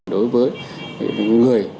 đối với người